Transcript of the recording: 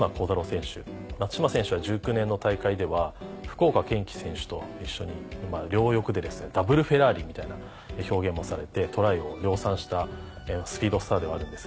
松島選手は１９年の大会では福岡堅樹選手と一緒に両翼でですねダブル・フェラーリみたいな表現もされてトライを量産したスピードスターではあるんですが。